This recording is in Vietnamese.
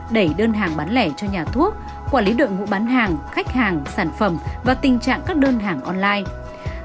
đẩy đơn hàng bán lẻ cho nhà thuốc quản lý đội ngũ bán hàng khách hàng sản phẩm và tình trạng các đơn hàng online